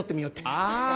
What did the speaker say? ああ！